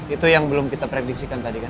itu yang belum kita prediksikan tadi kan